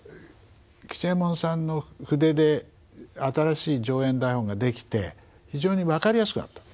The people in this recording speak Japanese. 吉右衛門さんの筆で新しい上演台本が出来て非常に分かりやすくなったと。